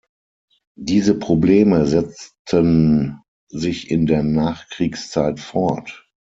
Diese Probleme setzten sich in der Nachkriegszeit fort.